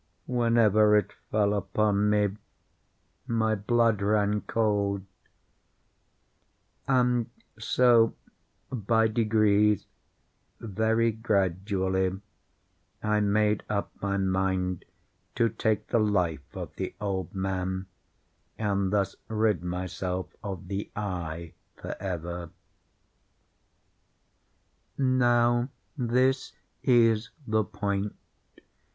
Whenever it fell upon me, my blood ran cold; and so by degrees—very gradually—I made up my mind to take the life of the old man, and thus rid myself of the eye forever. Now this is the point.